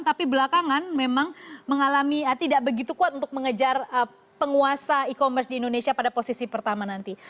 tapi belakangan memang mengalami tidak begitu kuat untuk mengejar penguasa e commerce di indonesia pada posisi pertama nanti